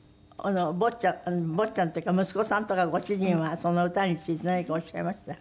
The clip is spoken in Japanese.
坊ちゃん坊ちゃんっていうか息子さんとかご主人はその歌について何かおっしゃいました？